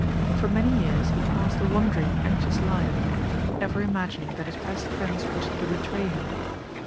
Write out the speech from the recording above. For many years he passed a wandering, anxious life, ever imagining that his best friends wished to betray him.